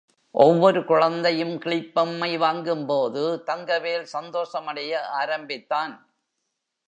ஒவ்வொரு குழந்தையும் கிளிப்பொம்மை வாங்கும் போது தங்கவேல் சந்தோஷமடைய ஆரம்பித்தான்.